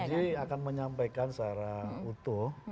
mas nadiem janji akan menyampaikan secara utuh